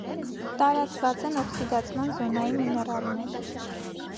Տարածված են օքսիդացման զոնայի միներալներ։